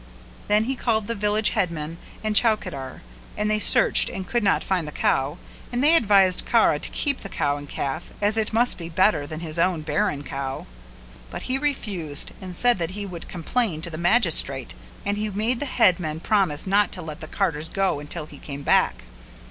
Then he called the village headman and chowkidar and they searched and could not find the cow and they advised Kara to keep the cow and calf as it must be better than his own barren cow; but he refused and said that he would complain to the magistrate and he made the headman promise not to let the carters go until he came back.